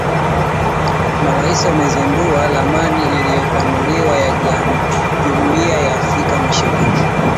Marais wamezindua ramani iliyopanuliwa ya Jumuiya ya Afrika Mashariki